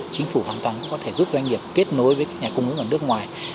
chính phủ hoàn toàn có thể giúp doanh nghiệp kết nối với các nhà cung ứng ở nước ngoài